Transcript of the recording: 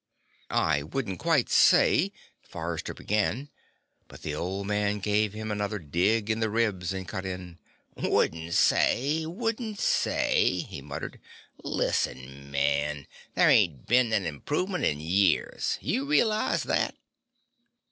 "I wouldn't quite say " Forrester began, but the old man gave him another dig in the ribs and cut in: "Wouldn't say, wouldn't say," he muttered. "Listen, man, there ain't been an improvement in years. You realize that?"